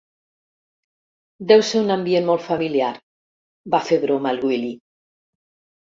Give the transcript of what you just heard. Deu ser un ambient molt familiar —va fer broma el Willy.